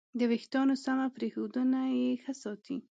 د وېښتیانو سمه پرېښودنه یې ښه ساتي.